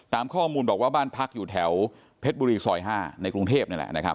ตามข้อมูลบอกว่าบ้านพักอยู่แถวเพชรบุรีซอย๕ในกรุงเทพฯ